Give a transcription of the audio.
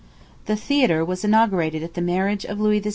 The Theatre was inaugurated at the marriage of Louis XVI.